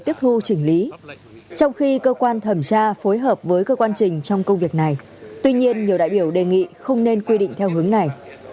trong khi cơ quan thẩm tra phối hợp với cơ quan trình trong công việc này tuy nhiên nhiều đại biểu đề nghị không nên quy định theo hướng này